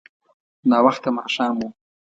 ناوخته ماښام و.